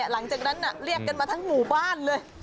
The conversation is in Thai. หลังจากนั้นเรียกกันมาทั้งหมู่บ้านเลย